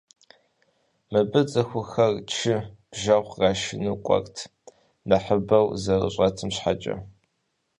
Мыбы цӏыхухэр чы, бжэгъу кърашыну кӏуэрт, нэхъыбэу зэрыщӏэтым щхьэкӏэ.